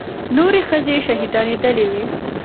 نورې ښځې شهيدانېدلې وې.